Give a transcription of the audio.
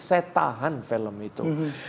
saya tahan film itu